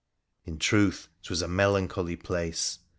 In truth, 'twas a melancholy place.